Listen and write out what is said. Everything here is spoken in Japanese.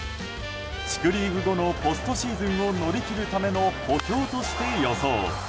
地区リーグ後のポストシーズンを乗り切るための補強として予想。